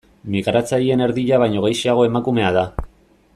Migratzaileen erdia baino gehixeago emakumea da.